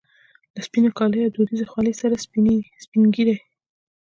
له سپینو کاليو او دودیزې خولۍ سره سپینږیری.